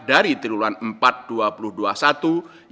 dan dixebari kebanyakan bahan